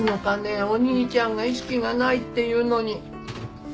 お兄ちゃんが意識がないっていうのに。